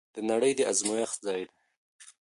دا نړۍ د ازمويښت ځای دی.